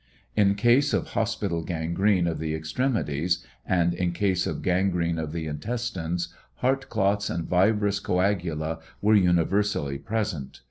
In case of hospital gangrene of the extremities, and in 184 REBEL TESTIMONY. case of gangrene of the intestines, heart clots and fibrous coagula were universally present.